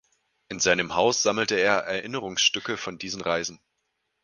In seinem Haus sammelte er Erinnerungsstücke von diesen Reisen.